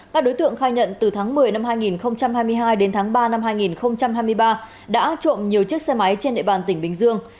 các đối tượng khai nhận từ tháng một mươi năm hai nghìn hai mươi hai đến tháng ba năm hai nghìn hai mươi ba đã trộm nhiều chiếc xe máy trên địa bàn tỉnh bình dương